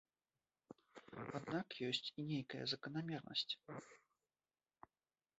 Аднак ёсць і нейкая заканамернасць.